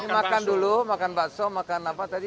makan dulu makan bakso makan apa tadi